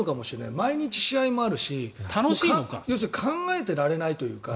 毎日試合があるし要するに考えていられないというか。